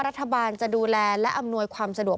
รัฐบาลจะดูแลและอำนวยความสะดวก